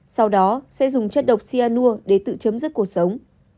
sau đó sẽ dùng chất độc cyanur để tự chấm dứt cuộc sống